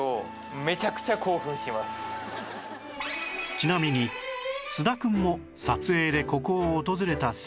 ちなみに菅田くんも撮影でここを訪れたそうで